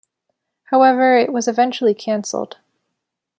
However, it was eventually cancelled.